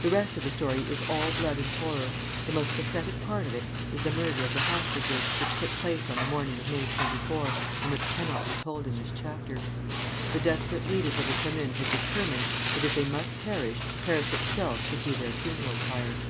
The rest of the story is all blood and horror. The most pathetic part of it is the murder of the hostages, which took place on the morning of May 24, and which cannot be told in this chapter. The desperate leaders of the Commune had determined that if they must perish, Paris itself should be their funeral pyre.